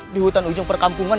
di hutan ujung perkampungan